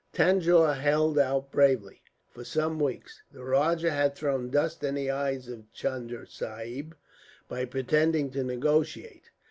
"Tanjore held out bravely. For some weeks the rajah had thrown dust in the eyes of Chunda Sahib, by pretending to negotiate.